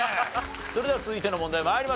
それでは続いての問題参りましょう。